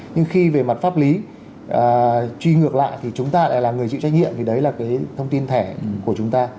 nhưng khi về mặt pháp lý truy ngược lại thì chúng ta lại là người chịu trách nhiệm thì đấy là cái thông tin thẻ của chúng ta